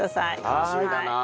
楽しみだなあ。